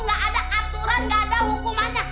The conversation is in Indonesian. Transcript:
gak ada aturan gak ada hukumannya